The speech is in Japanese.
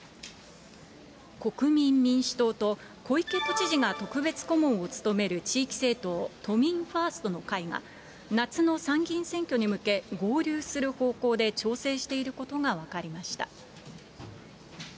国民民主党と、小池都知事が特別顧問を務める地域政党、都民ファーストの会が、夏の参議院選挙に向け、合流する方向で調整していることが分かりました。